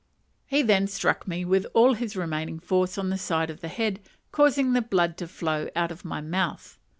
He then struck me with all his remaining force on the side of the head, causing the blood to flow out of my mouth.